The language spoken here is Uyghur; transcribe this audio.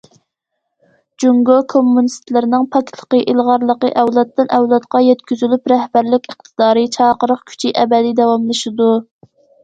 جۇڭگو كوممۇنىستلىرىنىڭ پاكلىقى، ئىلغارلىقى ئەۋلادتىن ئەۋلادقا يەتكۈزۈلۈپ، رەھبەرلىك ئىقتىدارى، چاقىرىق كۈچى ئەبەدىي داۋاملىشىدۇ.